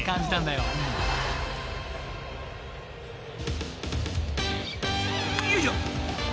［よいしょ！］